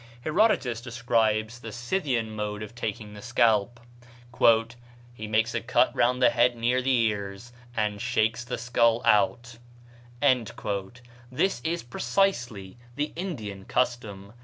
Herodotus describes the Scythian mode of taking the scalp: "He makes a cut round the head near the ears, and shakes the skull out." This is precisely the Indian custom.